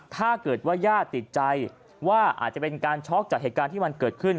ถ้าเกิดว่าญาติติดใจว่าอาจจะเป็นการช็อกจากเหตุการณ์ที่มันเกิดขึ้น